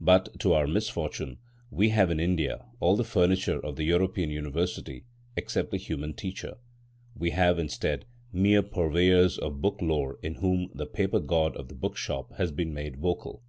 But, to our misfortune, we have in India all the furniture of the European University except the human teacher. We have, instead, mere purveyors of book lore in whom the paper god of the bookshop has been made vocal.